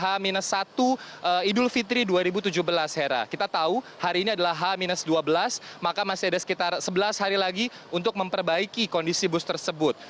h satu idul fitri dua ribu tujuh belas hera kita tahu hari ini adalah h dua belas maka masih ada sekitar sebelas hari lagi untuk memperbaiki kondisi bus tersebut